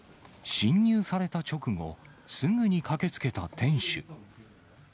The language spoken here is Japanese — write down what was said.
侵入された直後、すぐに駆けつけた店主。